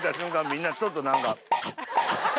みんなちょっと何か。